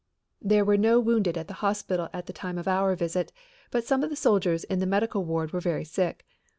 There were no wounded at the hospital at the time of our visit, but some of the soldiers in the medical ward were very sick.